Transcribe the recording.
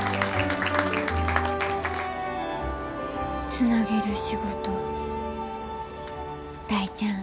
つなげる仕事大ちゃん。